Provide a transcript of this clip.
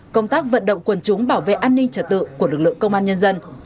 công tác vận động quân chúng bảo vệ an ninh trả tự của lực lượng công an nhân dân